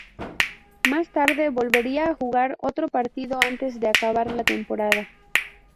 Más tarde, volvería a jugar otro partido antes de acabar la temporada.